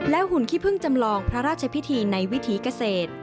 หุ่นขี้พึ่งจำลองพระราชพิธีในวิถีเกษตร